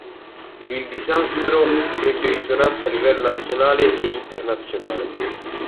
Il disastro ebbe risonanza a livello nazionale e internazionale.